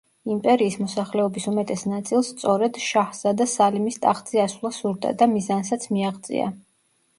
იმპერიის მოსახლეობის უმეტეს ნაწილს სწორედ შაჰზადა სალიმის ტახტზე ასვლა სურდა და მიზანსაც მიაღწია.